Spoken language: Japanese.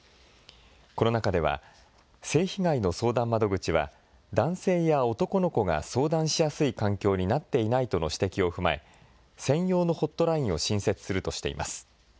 この中では、性被害の相談窓口は男性や男の子が相談しやすい環境になっていないとの指摘を踏まえ、専用のホットラインを新設するとしています。